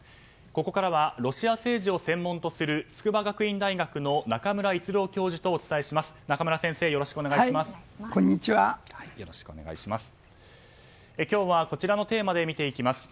ここからはロシア政治を専門とする筑波学院大学の中村逸郎教授とお伝えします。